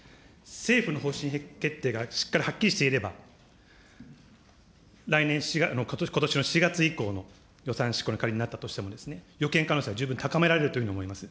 政府の方針決定がしっかり、はっきりしていれば、来年、ことしの４月以降の予算執行の、仮になったとしても予見可能性は十分高められると思います。